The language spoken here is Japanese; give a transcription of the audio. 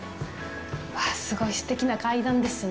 わあ、すごいすてきな階段ですね。